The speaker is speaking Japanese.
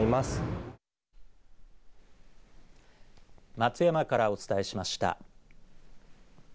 松山からお伝えしました。